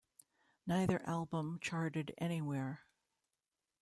Neither album charted anywhere.